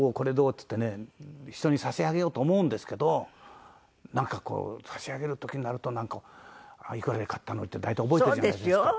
っつってね人に差し上げようと思うんですけどなんかこう差し上げる時になるといくらで買ったのって大体覚えてるじゃないですか。